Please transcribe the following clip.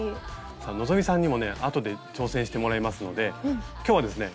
希さんにもね後で挑戦してもらいますので今日はですね